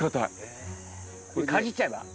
かじっちゃえば？